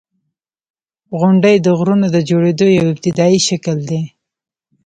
• غونډۍ د غرونو د جوړېدو یو ابتدایي شکل دی.